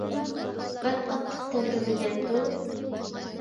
بەك قاتتىق تەۋرىمىگەندۇ؟